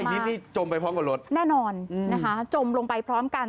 นิดนี่จมไปพร้อมกับรถแน่นอนนะคะจมลงไปพร้อมกัน